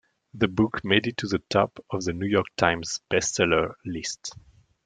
The book made it to the top of the "New York Times" bestseller list.